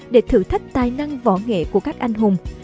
để thử thách tài năng võ nghệ của các anh hùng